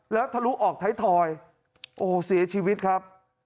แล้วทะลุออกไทยทอยโอ้โหเสียชีวิตครับ